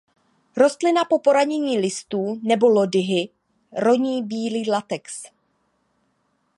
Rostlina po poranění listů nebo lodyhy roní bílý latex.